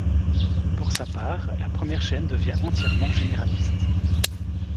Pour sa part, la première chaîne devient entièrement généraliste.